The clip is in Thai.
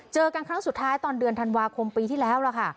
เจอกันครั้งสุดท้ายตอนเดือนธันวาคมปีที่แล้วล่ะค่ะ